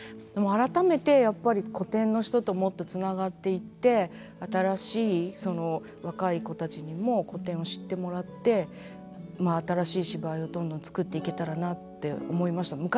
でも改めてやっぱり古典の人ともっとつながっていって新しいその若い子たちにも古典を知ってもらって新しい芝居をどんどん作っていけたらなって思いました。